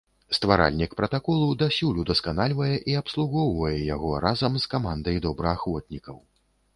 Стваральнік пратаколу дасюль удасканальвае і абслугоўвае яго разам з камандай добраахвотнікаў.